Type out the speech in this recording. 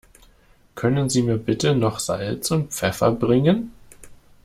Können Sie mir bitte noch Salz und Pfeffer bringen?